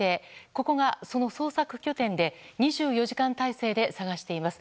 ここが、その捜索拠点で２４時間態勢で捜しています。